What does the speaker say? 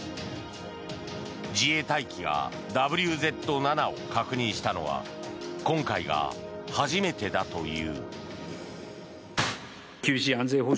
自衛隊機がＷＺ７を確認したのは今回が初めてだという。